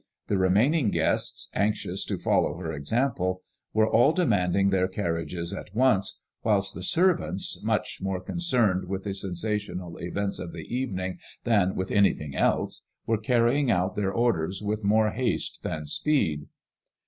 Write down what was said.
The remaining guests, anxious to follow her 106 IIADEIiOlSlCLLB IXK. example, were all demanding their carriages at once, whilst the servants, much more con cerned with the sensational events of the evening than with anything else, were cariying out their orders with more haste than speed.